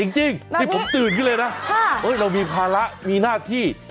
จริงนี่ผมตื่นขึ้นเลยนะเรามีภาระมีหน้าที่